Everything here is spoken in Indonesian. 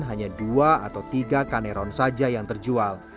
hanya dua atau tiga kaneron saja yang terjual